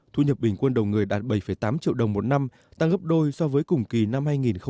thu nhập bình quân đầu người đạt bảy tám triệu đồng một năm tăng gấp đôi so với cùng kỳ năm hai nghìn một mươi tám